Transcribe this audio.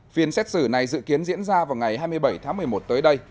phiên xét xử này dự kiến diễn ra vào ngày hai mươi bảy tháng một mươi một tới đây